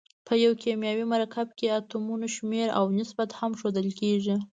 په یو کیمیاوي مرکب کې اتومونو شمیر او نسبت هم ښودل کیږي.